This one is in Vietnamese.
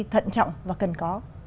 thận trọng và cần có